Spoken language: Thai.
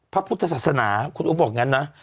พระพุทธศาสนาคุณอุ๊บบอกงั้นนะ